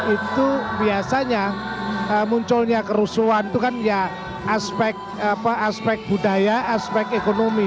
itu biasanya munculnya kerusuhan itu kan ya aspek budaya aspek ekonomi